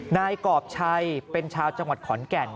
นายกรอบชัยเป็นชาวจังหวัดขอนแก่น